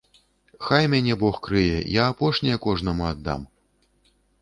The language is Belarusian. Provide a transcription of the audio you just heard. Хай мяне бог крые, я апошняе кожнаму аддам.